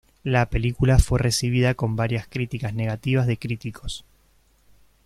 La película fue recibida con varias críticas negativas de críticos.